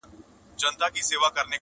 كوم شېرشاه توره ايستلې ځي سسرام ته؛